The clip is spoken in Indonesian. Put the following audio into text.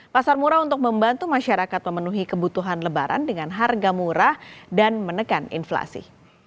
pasar murah untuk membantu masyarakat memenuhi kebutuhan lebaran dengan harga murah dan menekan inflasi